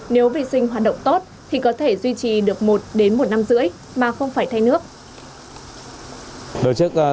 nếu vi sinh hoạt động tốt thì có thể duy trì được một đến một năm rưỡi mà không phải thay nước